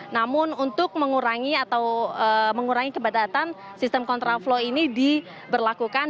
namun untuk mengurangi atau mengurangi kebatasan sistem kontra flow ini diberlakukan